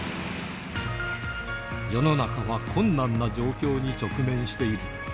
世の中は困難な状況に直面している。